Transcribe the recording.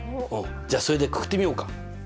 じゃあそれでくくってみようか。